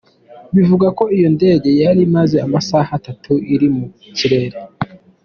Bivugwa ko iyo ndege yari imaze amasaha atatu iri mu kirere.